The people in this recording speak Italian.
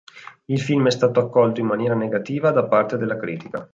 Il film è stato accolto in maniera negativa da parte della critica.